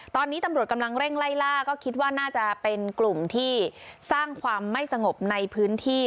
ตอนนี้ตำรวจกำลังเร่งไล่ล่าก็คิดว่าน่าจะเป็นกลุ่มที่สร้างความไม่สงบในพื้นที่